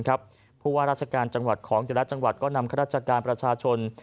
เพราะว่าราชการจังหวัดของแต่ละจังหวัดก็นำข้าราชการประชาชน